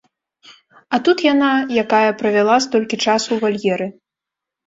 А тут яна, якая правяла столькі часу ў вальеры.